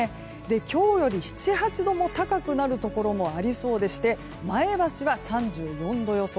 今日より７８度も高くなるところもありそうでして前橋は３４度予想。